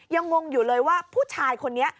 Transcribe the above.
งงอยู่เลยว่าผู้ชายคนนี้